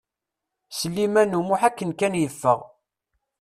Sliman U Muḥ akken kan yeffeɣ.